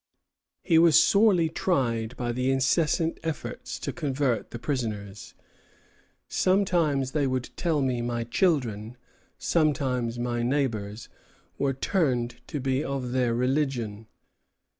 He was sorely tried by the incessant efforts to convert the prisoners. "Sometimes they would tell me my children, sometimes my neighbors, were turned to be of their religion.